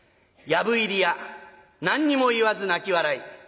「藪入りや何にも言わず泣き笑い」。